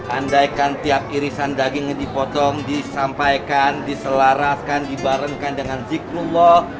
andaikan tiap irisan daging dipotong disampaikan diselaraskan dibarengkan dengan zikrullah